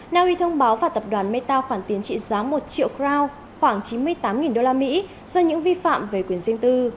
naui thông báo và tập đoàn meta khoản tiền trị giá một triệu group khoảng chín mươi tám usd do những vi phạm về quyền riêng tư